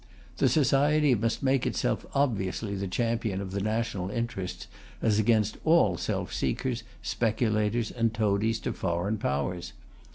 The society must make itself obviously the champion of the national interests as against all self seekers, speculators and toadies to foreign Powers.